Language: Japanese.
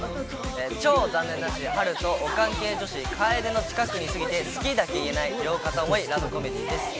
超残念男子・ハルとオカン系女子・楓の近くにいすぎて「好き」だけ言えない両片想いラブコメディです。